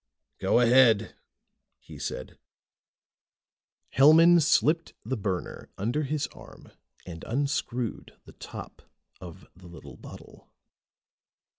"Go ahead," he said. Hellman slipped the burner under his arm and unscrewed the top of the little bottle.